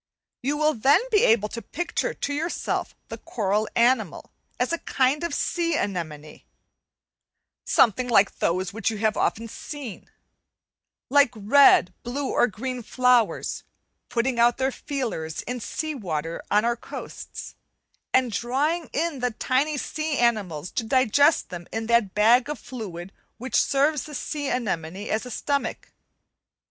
You will then be able to picture to yourself the coral animal as a kind of sea anemone, something like those which you have often seen, like red, blue, or green flowers, putting out feelers in sea water on our coasts, and drawing in the tiny sea animals to digest them in that bag of fluid which serves the sea anemone as a stomach.